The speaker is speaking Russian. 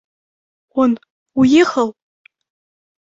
Он уехал?